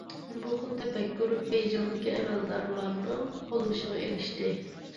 بۇ خىل تەپەككۇر بېيجىڭدىكى ئەمەلدارلارنىڭ قوللىشىغا ئېرىشتى.